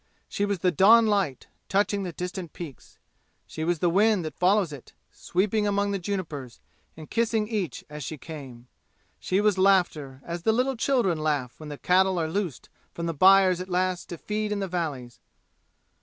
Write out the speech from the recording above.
She was the dawn light, touching the distant peaks. She was the wind that follows it, sweeping among the junipers and kissing each as she came. She was laughter, as the little children laugh when the cattle are loosed from the byres at last to feed in the valleys.